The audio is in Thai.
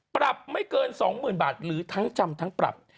ปรับไม่เกินสองหมื่นบาทหรือทางจำทางปรับ